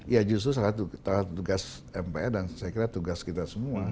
ya justru salah satu tugas mpe dan saya kira tugas kita semua